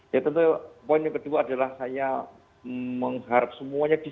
ya tentu poin yang kedua adalah saya mengharap semuanya bisa